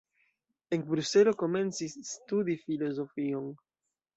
En Bruselo komencis studi filozofion.